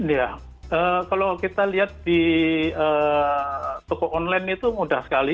ya kalau kita lihat di toko online itu mudah sekali